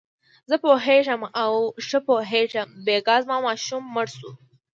زه پوهېږم او ښه پوهېږم، بېګا زما ماشوم مړ شو.